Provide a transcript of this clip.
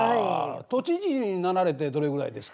都知事になられてどれぐらいですか？